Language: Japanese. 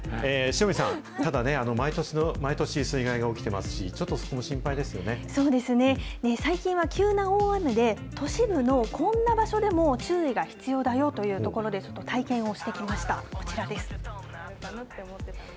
塩見さん、ただね、毎年、水害が起きていますし、ちょっとそこもそうですね、最近は急な大雨で、都市部のこんな場所でも注意が必要だよというところで体験をしてきました。